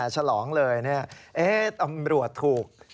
ฉลองเลยเนี่ยเอ๊ะตำรวจถูก